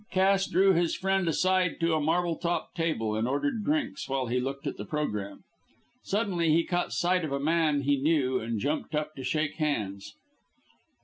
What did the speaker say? Cass drew his friend aside to a marble topped table and ordered drinks while he looked at the programme. Suddenly he caught sight of a man he knew and jumped up to shake hands.